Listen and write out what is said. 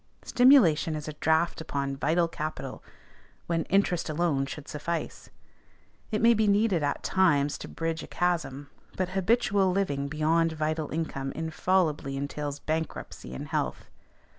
Stimulation is a draft upon vital capital, when interest alone should suffice: it may be needed at times to bridge a chasm; but habitual living beyond vital income infallibly entails bankruptcy in health.